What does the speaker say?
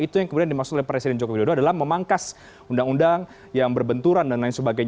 itu yang kemudian dimaksud oleh presiden joko widodo adalah memangkas undang undang yang berbenturan dan lain sebagainya